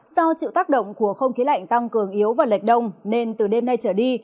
do chịu tác động của không khí lạnh tăng cường yếu và lệch đông nên từ đêm nay trở đi